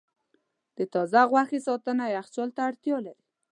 د تازه غوښې ساتنه یخچال ته اړتیا لري.